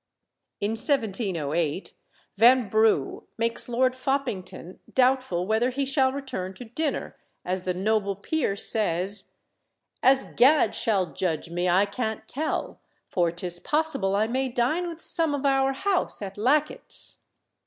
In 1708, Vanbrugh makes Lord Foppington doubtful whether he shall return to dinner, as the noble peer says "As Gad shall judge me I can't tell, for 'tis possible I may dine with some of our House at Lacket's."